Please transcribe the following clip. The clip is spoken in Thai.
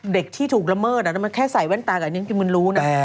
เด็กที่ถูกละเมิดมันแค่ใส่แว่นตากับอันนี้คือมันรู้นะ